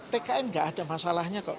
tkn nggak ada masalahnya kok